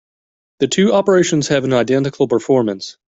The two operations have an identical performance.